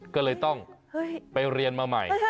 ก็เลยต้องไปเรียนมาใหม่